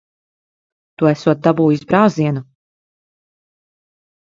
Tu esot dabūjis brāzienu.